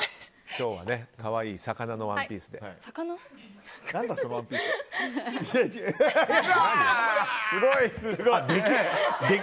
今日は可愛い魚のワンピースで。